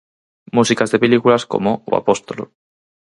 Músicas de películas como "O Apóstolo".